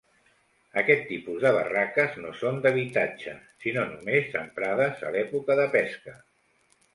Aquest tipus de barraques no són d'habitatge, sinó només emprades a l'època de pesca.